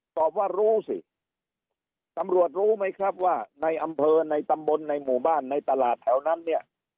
ตอบว่ารู้สิตำรวจรู้ไหมครับว่าในอำเภอในตำบลในหมู่บ้านในตลาดแถวนั้นเนี่ย